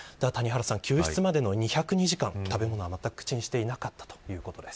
救出までの２０２時間食べ物は何も口にしていなかったということです。